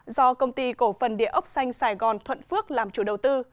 do công ty cổ phần địa ốc xanh sài gòn thuận phước làm chủ đầu tư